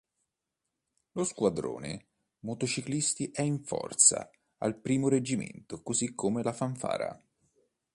Lo squadrone motociclisti è in forza al primo reggimento così come la fanfara.